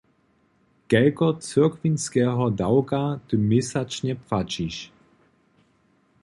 Kelko cyrkwinskeho dawka ty měsačnje płaćiš?